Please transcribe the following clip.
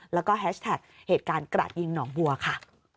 แล้วก็แฮชแท็กเหตุการณ์กระดยิงหนองบัวค่ะ